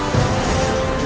gak ada apa